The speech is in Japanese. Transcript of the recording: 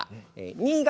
新潟